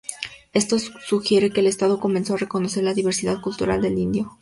Esto sugiere que el Estado comenzó a reconocer la diversidad cultural del indio.